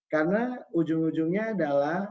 karena ujung ujungnya adalah